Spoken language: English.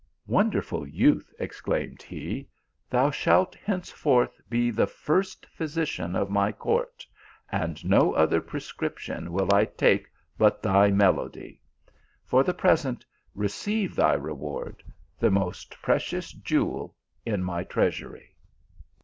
" Won derful youth," exclaimed he, " thou shalt henceforth be the first physician of my court, and no other pre scription will I take but thy melody. For the pres ent, receive thy reward, the most precious jewel in my treasury."